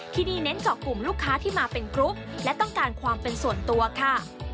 ที่นี่เน้นเจาะกลุ่มลูกค้าที่มาเป็นกรุ๊ปและต้องการความเป็นส่วนตัวค่ะ